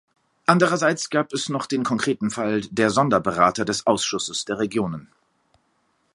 Andererseits gab es noch den konkreten Fall der Sonderberater des Ausschusses der Regionen.